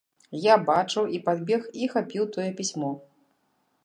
Я бачыў і падбег і хапіў тое пісьмо.